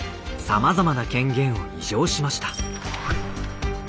さまざまな権限を移譲しました。